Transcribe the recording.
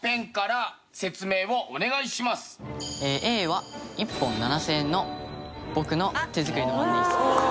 Ａは１本７０００円の僕の手作りの万年筆です。